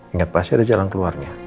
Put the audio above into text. ingat pasti ada jalan keluarnya